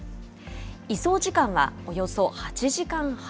移送時間はおよそ８時間半。